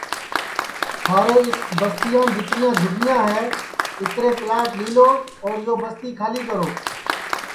تھارے اِس بستِیام جِترِیاں جھوپڑیاں ہے اِترے پِلاٹ لیؤ اور یو بستی کھالی کرو